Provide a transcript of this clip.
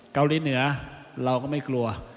เกาหลีเหนือเราก็ไม่กลัว